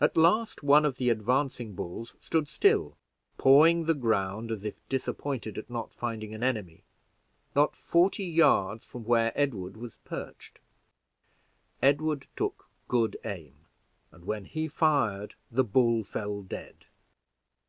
At last, one of the advancing bulls stood still, pawing the ground as if disappointed at not finding an enemy, not forty yards from where Edward was perched. Edward took good aim, and when he fired the bull fell dead.